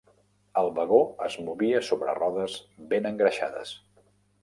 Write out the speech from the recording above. El vagó es movia sobre rodes ben engreixades.